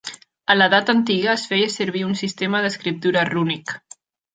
A l'edat antiga, es feia servir un sistema d'escriptura rúnic.